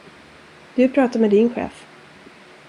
Du pratar med din chef.